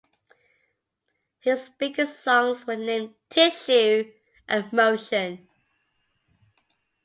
His biggest songs were named "Tissue" and "Motion".